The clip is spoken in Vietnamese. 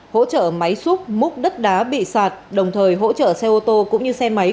hỗ trợ máy xúc múc đất đá bị sạt đồng thời hỗ trợ xe ô tô cũng như xe máy